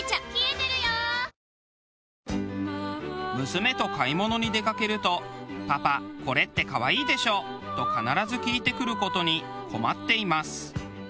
娘と買い物に出かけると「パパこれって可愛いでしょ？」と必ず聞いてくる事に困っています。